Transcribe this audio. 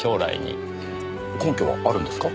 根拠はあるんですか？